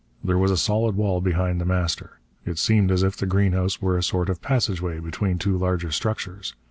There was a solid wall behind The Master. It seemed as if the greenhouse were a sort of passageway between two larger structures.